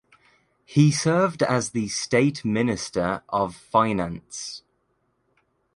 He served as the State Minister of Finance.